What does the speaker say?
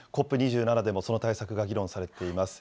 ＣＯＰ２７でもその対策が議論されています。